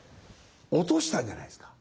落としたんじゃないですか？